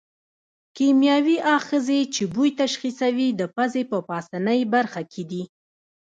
کیمیاوي آخذې چې بوی تشخیصوي د پزې په پاسنۍ برخه کې دي.